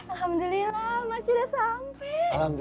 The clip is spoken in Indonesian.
alhamdulillah mas sudah sampai